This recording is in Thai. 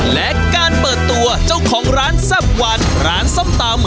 และการเปิดตัวเจ้าของร้านแซ่บวันร้านส้มตำ